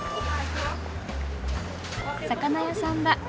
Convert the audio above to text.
魚屋さんだ。